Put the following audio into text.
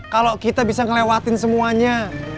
kalau kita bisa ngelewatin semuanya